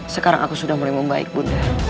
sekarang aku sudah mulai membaik bunda